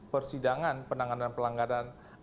persidangan penanganan pelanggaran